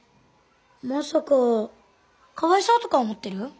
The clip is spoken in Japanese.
まさかかわいそうとか思ってる？